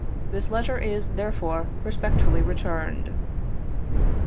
This letter is, therefore, respectfully returned."